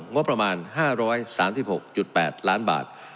งบประมาณ๕๓๖๘ล้านบาท